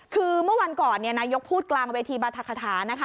คือเมื่อวันก่อนนายกพูดกลางเวทีรัฐคาถานะคะ